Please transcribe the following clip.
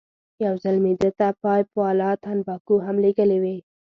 یو ځل مې ده ته پایپ والا تنباکو هم لېږلې وې.